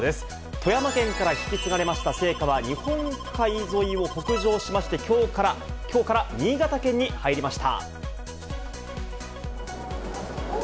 富山県から引き継がれました聖火は日本海沿いを北上しまして、きょうから新潟県に入りました。